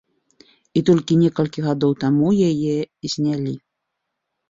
І толькі некалькі гадоў таму яе знялі.